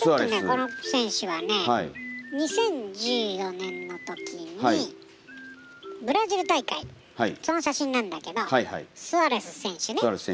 この選手はね２０１４年のときにブラジル大会その写真なんだけどスアレス選手ね。